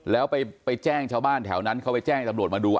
แล้วไปแจ้งชาวบ้านแถวนั้นเขาไปแจ้งตำรวจมาดู